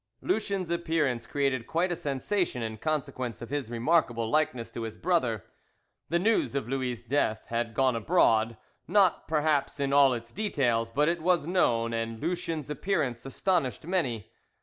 LUCIEN'S appearance created quite a sensation in consequence of his remarkable likeness to his brother. The news of Louis' death had gone abroad not, perhaps, in all its details, but it was known, and Lucien's appearance astonished many.